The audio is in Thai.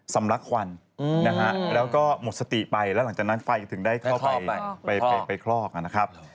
ลักควันนะฮะแล้วก็หมดสติไปแล้วหลังจากนั้นไฟถึงได้เข้าไปคลอกนะครับ